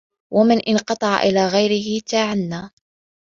وَمَنْ انْقَطَعَ إلَى غَيْرِهِ تَعَنَّى